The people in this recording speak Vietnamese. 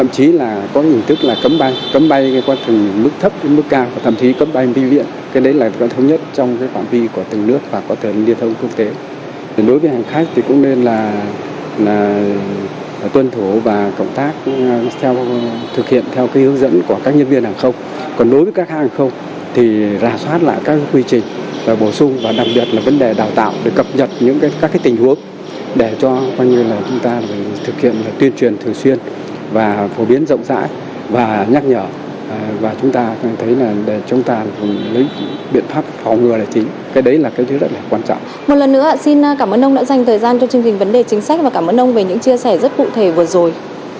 một lần nữa xin cảm ơn ông đã dành thời gian cho chương trình vấn đề chính sách và cảm ơn ông về những chia sẻ rất cụ thể vừa rồi